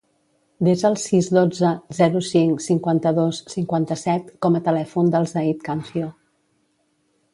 Desa el sis, dotze, zero, cinc, cinquanta-dos, cinquanta-set com a telèfon del Zayd Cancio.